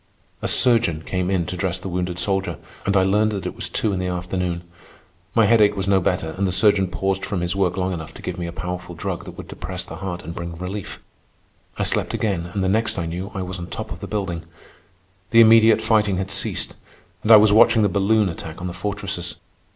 A surgeon came in to dress the wounded soldier, and I learned that it was two in the afternoon. My headache was no better, and the surgeon paused from his work long enough to give me a powerful drug that would depress the heart and bring relief. I slept again, and the next I knew I was on top of the building. The immediate fighting had ceased, and I was watching the balloon attack on the fortresses.